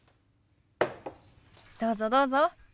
どうぞどうぞ。